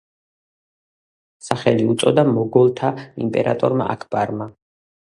სახელი უწოდა მოგოლთა იმპერატორმა აქბარმა.